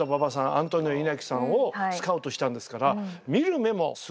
アントニオ猪木さんをスカウトしたんですから見る目もすごいですよね。